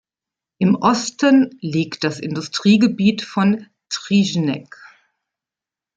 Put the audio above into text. Im Osten liegt das Industriegebiet von Třinec.